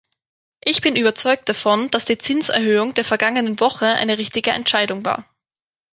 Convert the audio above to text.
Ich bin überzeugt davon, dass die Zinserhöhung der vergangenen Woche eine richtige Entscheidung war.